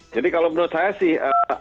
jadi kalau menurut saya sih